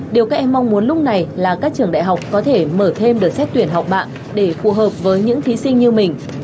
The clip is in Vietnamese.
điều các em mong muốn lúc này là các trường đại học có thể mở thêm đợt xét tuyển học bạ để phù hợp với những thí sinh như mình